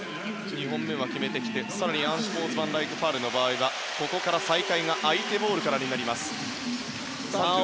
２本目は決めてきて更にアンスポーツマンライクファウルの場合はここから再開が相手ボールからになります。